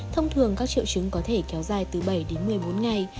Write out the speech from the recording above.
thông thường các triệu chứng có thể kéo dài từ bảy đến một mươi bốn ngày